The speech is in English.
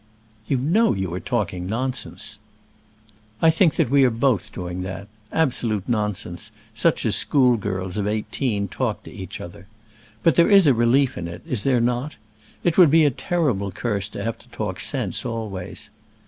"You know you are talking nonsense." "I think that we are both doing that absolute nonsense; such as schoolgirls of eighteen talk to each other. But there is a relief in it; is there not? It would be a terrible curse to have to talk sense always.